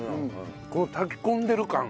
この炊き込んでる感。